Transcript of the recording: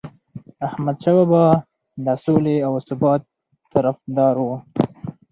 احمدشاه بابا د سولې او ثبات طرفدار و.